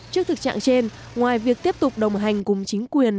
trước thực trạng trên ngoài việc tiếp tục đồng hành cùng chính quyền